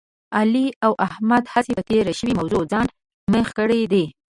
علي او احمد هسې په تېره شوې موضوع ځان مېخ کړی دی.